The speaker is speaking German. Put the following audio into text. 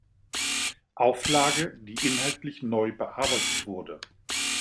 Auflage die inhaltlich neu bearbeitet wurde.